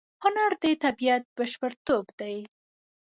هنر د طبیعت بشپړتوب دی.